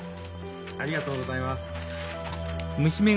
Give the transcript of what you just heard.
ありがとうございます。